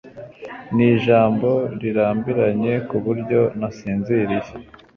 Nijambo rirambiranye kuburyo nasinziriye.